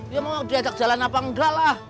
ya mau diajak jalan apa enggak lah